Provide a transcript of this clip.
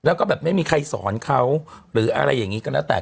แล้วก็แบบไม่มีใครสอนเขาหรืออะไรอย่างนี้ก็แล้วแต่